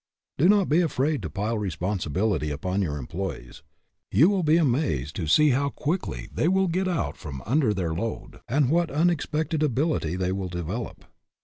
Do not be afraid to pile responsibility upon your em ployees, You will be amazed to see how quickly they will get out from under their load and what unexpected ability they will develop.